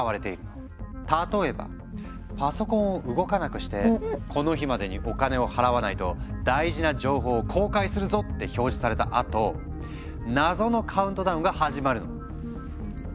例えばパソコンを動かなくして「この日までにお金を払わないと大事な情報を公開するぞ！」って表示されたあと謎のカウントダウンが始まるの。